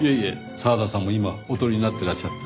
澤田さんも今お撮りになってらっしゃった。